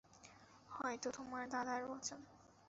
হয়তো তোমার দাদার বচন।